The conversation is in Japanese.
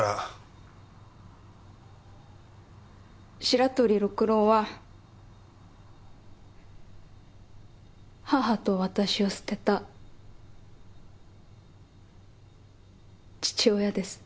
白鳥六郎は母と私を捨てた父親です。